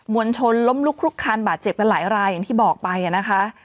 วลชนล้มลุกลุกคันบาดเจ็บกันหลายรายอย่างที่บอกไปนะคะ